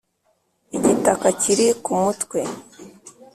igitaka kiri ku mutwe.